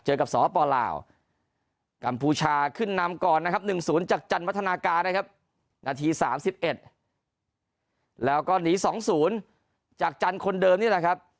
กับสปลาวกัมพูชาขึ้นนำก่อนนะครับ๑๐จากจันวัฒนาการนะครับนาที๓๑แล้วก็หนี๒๐จากจันทร์คนเดิมนี่แหละครับ